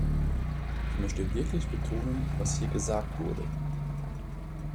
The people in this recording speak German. Ich möchte wirklich betonen, was hier gesagt wurde.